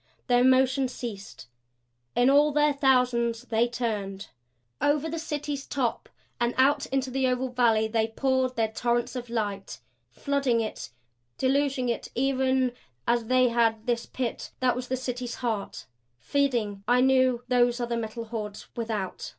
Their motion ceased; in all their thousands they turned. Over the City's top and out into the oval valley they poured their torrents of light; flooding it, deluging it even as they had this pit that was the City's heart. Feeding, I knew, those other Metal Hordes without.